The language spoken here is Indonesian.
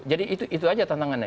jadi itu aja tantangannya